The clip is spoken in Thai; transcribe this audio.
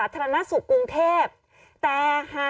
กล้องกว้างอย่างเดียว